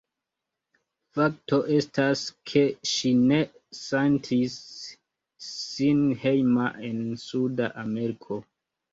Fakto estas ke ŝi ne sentis sin hejma en Suda Ameriko.